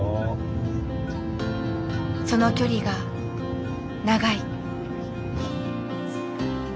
その距離が長い。